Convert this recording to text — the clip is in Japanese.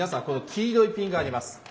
この黄色いピンがあります。